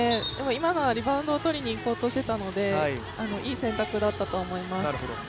今のはリバウンドを取りにいこうとしていたので、いい選択だったと思います。